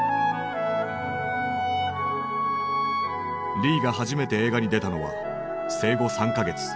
リーが初めて映画に出たのは生後３か月。